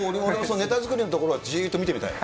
ネタ作りのところはじーっと見てみたい。